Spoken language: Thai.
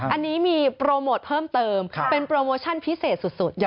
อันนี้มีโปรโมทเพิ่มเติมเป็นโปรโมชั่นพิเศษสุด